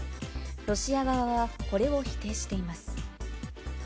ロシア側はこれを否定しています。